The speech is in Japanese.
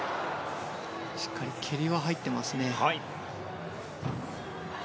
しっかり蹴りは入っていますね。